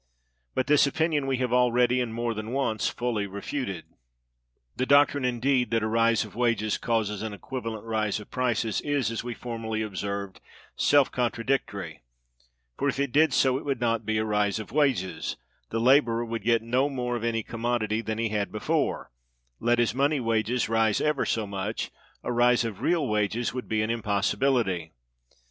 But this opinion we have already, and more than once, fully refuted.(294) The doctrine, indeed, that a rise of wages causes an equivalent rise of prices, is, as we formerly observed, self contradictory: for, if it did so, it would not be a rise of wages; the laborer would get no more of any commodity than he had before, let his money wages rise ever so much; a rise of real wages would be an impossibility.